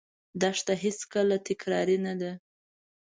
دښته هېڅکله تکراري نه ده.